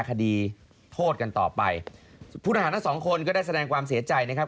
คดีโทษกันต่อไปผู้ทหารทั้งสองคนก็ได้แสดงความเสียใจนะครับ